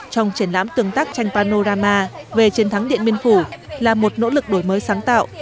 của anorama về chiến thắng điện biên phủ là một nỗ lực đổi mới sáng tạo